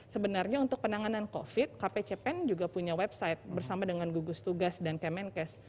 sebenarnya untuk penanganan covid kpcpen juga punya website bersama dengan gugus tugas dan kemenkes